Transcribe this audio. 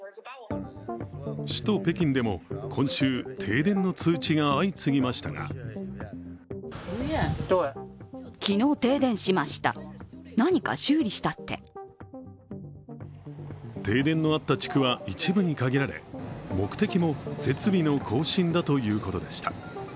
首都北京でも今週、停電の通知が相次ぎましたが停電のあった地区は一部に限られ目的も設備の更新だということでした。